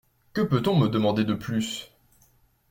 Que peut-on me demander de plus ?